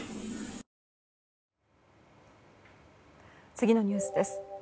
次のニュースです。